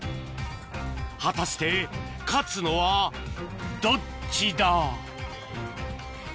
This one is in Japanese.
果たして勝つのはどっちだ？